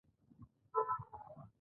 دوی باید د اصلي هدف په توګه وګڼل شي.